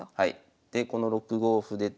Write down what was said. でこの６五歩で。